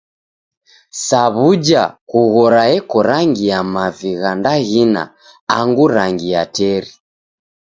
Sa wuja, kughora eko rangi ya mavi gha ndaghina angu rangi ya teri.